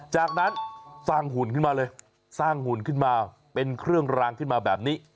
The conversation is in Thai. จากนั้นสร้างหุ่นขึ้นมาเลยสร้างหุ่นขึ้นมาเป็นเครื่องรางขึ้นมาแบบนี้